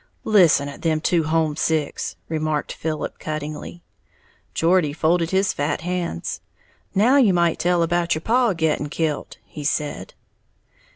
"Listen at them two homesicks!" remarked Philip, cuttingly. Geordie folded his fat hands. "Now you might tell about your paw gettin' kilt," he said.